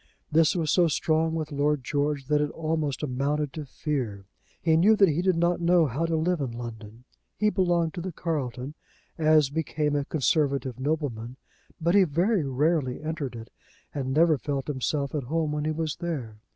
This was so strong with Lord George that it almost amounted to fear. He knew that he did not know how to live in London. He belonged to the Carlton, as became a conservative nobleman; but he very rarely entered it, and never felt himself at home when he was there.